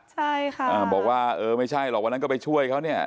ใช่ค่ะอ่าบอกว่าเออไม่ใช่หรอกวันนั้นก็ไปช่วยเขาเนี่ย